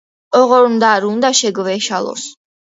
ოღონდ არ უნდა შეგვეშალოს.